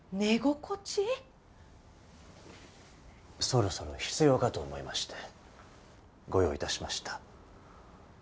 そろそろ必要かと思いましてご用意いたしました。